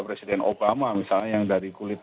presiden obama misalnya yang dari kulit